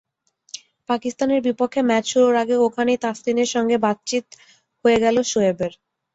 পাকিস্তানের বিপক্ষে ম্যাচ শুরুর আগে ওখানেই তাসকিনের সঙ্গে বাতচিত হয়ে গেল শোয়েবের।